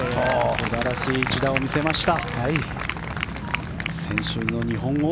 素晴らしい一打を見せました。